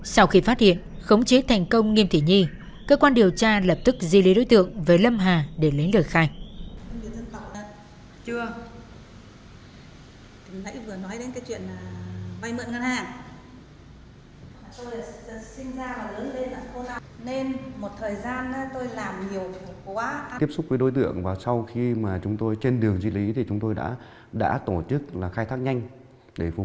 sau khi phát hiện khống chế thành công nghiêm thỉ nhi cơ quan điều tra lập tức di lý đối tượng với lâm hà để lấy lời khai